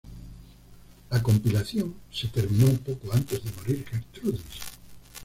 La compilación se terminó poco antes de morir Gertrudis.